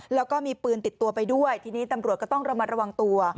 แล้วก็มีปืนติดตัวไปด้วยทีนี้ตำรวจก็ต้องระมัดระวังตัว